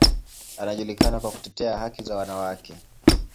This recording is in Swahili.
Anajulikana kwa kutetea haki za wanawake.